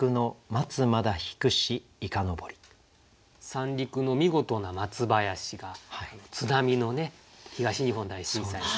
三陸の見事な松林が津波のね東日本大震災ですね